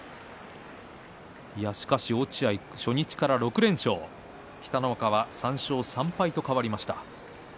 落合は初日から６連勝北の若は３勝３敗と変わりました。